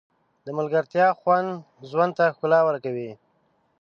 د ملګرتیا خوند ژوند ته ښکلا ورکوي.